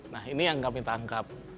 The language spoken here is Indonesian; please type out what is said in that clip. nah ini yang kami tangkap